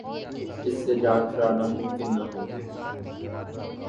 اس سے جان چھڑانی ممکن نہ ہوگی۔